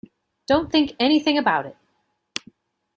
Don't think anything about it.